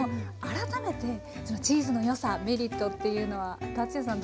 改めてチーズのよさメリットっていうのはＴａｔｓｕｙａさん